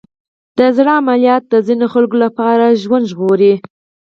د زړه عملیات د ځینو خلکو لپاره ژوند ژغوري.